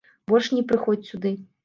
Больш не прыходзь сюды.